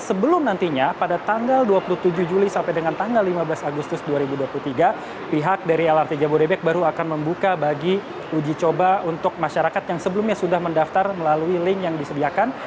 sebelum nantinya pada tanggal dua puluh tujuh juli sampai dengan tanggal lima belas agustus dua ribu dua puluh tiga pihak dari lrt jabodebek baru akan membuka bagi uji coba untuk masyarakat yang sebelumnya sudah mendaftar melalui link yang disediakan